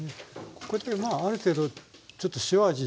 こうやってまあある程度ちょっと塩味っていいますかね？